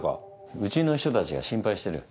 うちの秘書たちが心配してる。